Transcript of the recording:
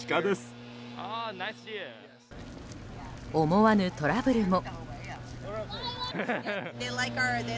思わぬトラブルも。